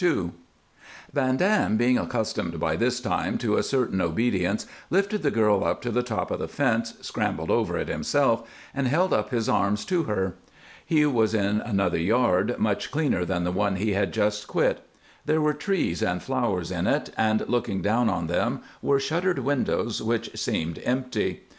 II Van Dam, being accustomed by this time to a certain obedience, lifted the girl up to the top of the fence, scrambled over it himself, and held up his arms to her. He was in another yard, much cleaner than the one he had just quit. There were trees and flowers in it, and looking down on them were shuttered windows which seemed empty.